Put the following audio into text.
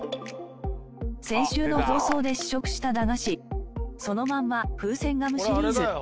先週の放送で試食した駄菓子そのまんまフーセンガムシリーズ。